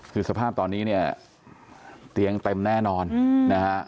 คือสภาพตอนนี้เนี่ยเตียงเต็มแน่นอนนะฮะ